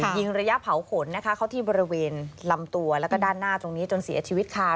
ยิงระยะเผาขนนะคะเข้าที่บริเวณลำตัวแล้วก็ด้านหน้าตรงนี้จนเสียชีวิตค่ะ